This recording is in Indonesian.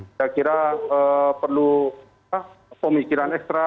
saya kira perlu pemikiran ekstra